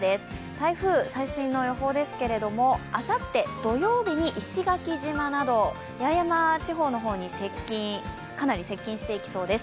台風最新の予報ですけどあさって土曜日に石垣島など、八重山地方の方にかなり接近してきそうです。